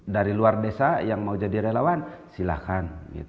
dari luar desa yang mau jadi relawan silahkan